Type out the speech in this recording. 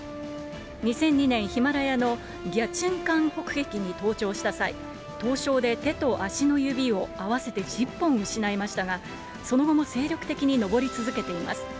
２００２年、ヒマラヤのに登頂した際、凍傷で手と足の指を合わせて１０本失いましたが、その後も精力的に登り続けています。